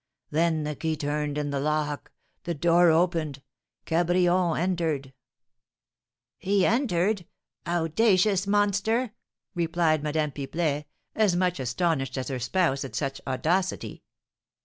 Then the key turned in the lock, the door opened, Cabrion entered!" "He entered? Owdacious monster!" replied Madame Pipelet, as much astonished as her spouse at such audacity.